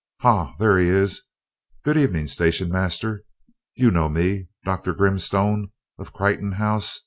Ha, there he is. Good evening, station master, you know me Dr. Grimstone, of Crichton House.